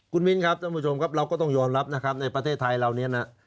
คุณมิ้นครับท่านผู้ชมครับเราก็ต้องยอมรับนะครับในประเทศไทยเราเนี่ยนะ